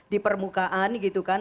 di permukaan gitu kan